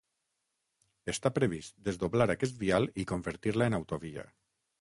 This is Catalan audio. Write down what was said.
Està previst desdoblar aquest vial i convertir-la en autovia.